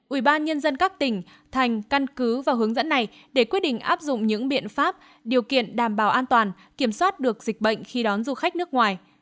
ubnd các tỉnh thành căn cứ vào hướng dẫn này để quyết định áp dụng những biện pháp điều kiện đảm bảo an toàn kiểm soát được dịch bệnh khi đón du khách nước ngoài